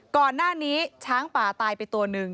ก่อนหน้านี้ช้างป่าตายไปตัวหนึ่ง